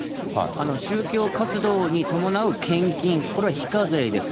宗教活動に伴う献金、これは非課税です。